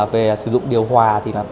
về sử dụng điều hòa